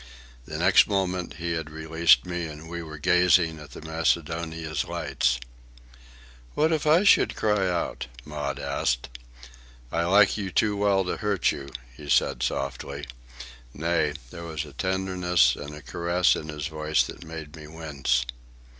The next moment he had released me and we were gazing at the Macedonia's lights. "What if I should cry out?" Maud asked. "I like you too well to hurt you," he said softly—nay, there was a tenderness and a caress in his voice that made me wince.